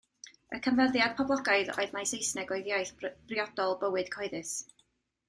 Y canfyddiad poblogaidd oedd mai Saesneg oedd iaith briodol bywyd cyhoeddus.